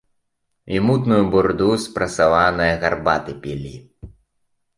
І мутную бурду з прасаванае гарбаты пілі.